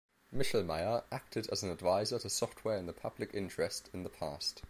Michlmayr acted as an advisor to Software in the Public Interest in the past.